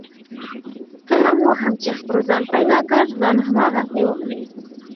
کله مو هم چې خپل ځان پیدا کړ، ځان هماغسې ومنئ.